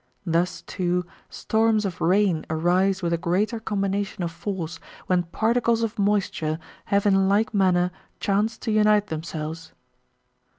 Thtis, too, storms of rain arise with a greater combination of force, when particles of moisture have in like manner chanced to unite themselves.